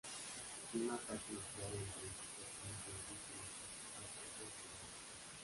Y un ataque nuclear en Oriente Próximo significa una catástrofe global.